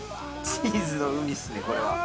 チーズの海っすね、これは。